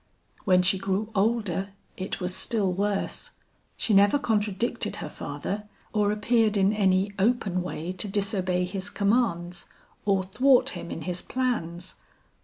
"When she grew older it was still worse. She never contradicted her father, or appeared in any open way to disobey his commands, or thwart him in his plans.